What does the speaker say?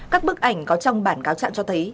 các bức ảnh có trong bản cáo trạng cho thấy